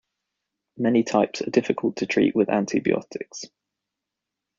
Many types are difficult to treat with antibiotics.